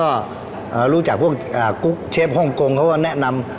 ก็รู้จักพวกกรุ๊ปเชฟฮ่องกงเขาก็แนะนำ